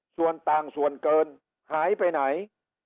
ส่วนต่างส่วนเกินหายไปไหน